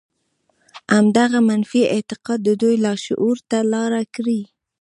همدغه منفي اعتقاد د دوی لاشعور ته لاره کړې